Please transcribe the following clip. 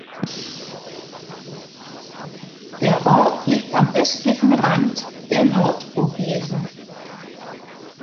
Der Ort liegt am östlichen Rand der Nordvogesen.